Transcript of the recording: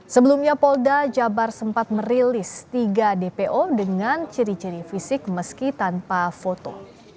sebelumnya polda jabar sempat merilis tiga dpo dengan ciri ciri fisik meski tanpa foto